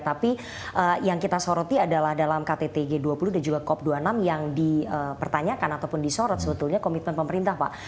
tapi yang kita soroti adalah dalam ktt g dua puluh dan juga cop dua puluh enam yang dipertanyakan ataupun disorot sebetulnya komitmen pemerintah pak